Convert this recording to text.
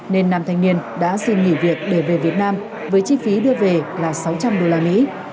nên nam thanh niên đã xin nghỉ việc để về việt nam với chi phí đưa về là sáu trăm linh đô la mỹ